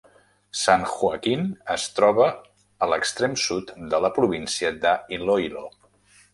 San Joaquin es troba a l'extrem sud de la província de Iloilo.